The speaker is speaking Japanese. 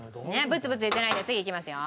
ブツブツ言ってないで次いきますよ。